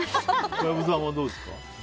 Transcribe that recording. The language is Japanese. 小籔さんはどうですか？